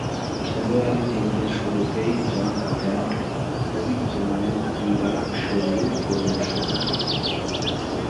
খেলোয়াড়ী জীবনের শুরুতেই জন হল্যান্ড খুবই উঁচুমানের ক্রীড়াশৈলী প্রদর্শন করেন।